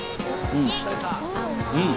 うん。